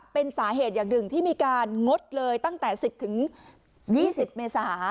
เป็นสาเหตุอย่างหนึ่งที่มีการงดเลยตั้งแต่สิบถึงยี่สิบเมษา